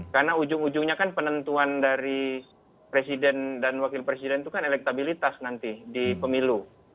karena ujung ujungnya kan penentuan dari presiden dan wakil presiden itu kan elektabilitas nanti di pemilu